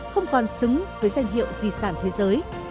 không còn xứng với danh hiệu di sản thế giới